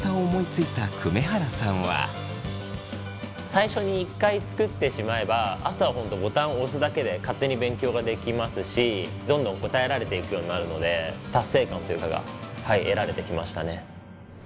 最初に１回作ってしまえばあとはボタンを押すだけで勝手に勉強ができますしどんどん答えられていくようになるので達成感が得られてきましたね。